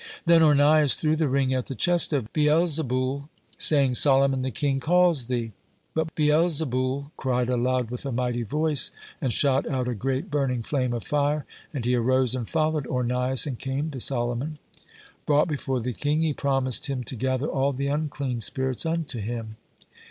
Then Ornias threw the ring at the chest of Beelzeboul, saying: "Solomon the king calls thee." But Beelzeboul cried aloud with a mighty voice, and shot out a great, burning flame of fire; and he arose and followed Ornias, and came to Solomon. Brought before the king, he promised him to gather all the unclean spirits unto him.